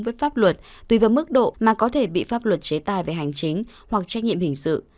với pháp luật tùy vào mức độ mà có thể bị pháp luật chế tài về hành chính hoặc trách nhiệm hình sự